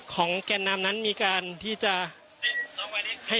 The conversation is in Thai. ของแก่นน้ำนั้นมีการที่จะ